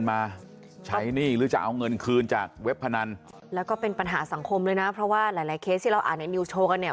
มีอีกแล้วเห็นมั้ย